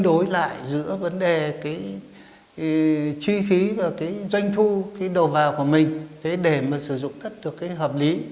đối lại giữa vấn đề cái chi phí và cái doanh thu cái đầu vào của mình để mà sử dụng đất được cái hợp lý